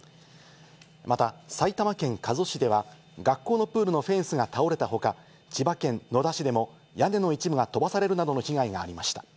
また、埼玉県加須市では学校のプールのフェンスが倒れた他、千葉県野田市でも屋根の一部が飛ばされるなどの被害がありました。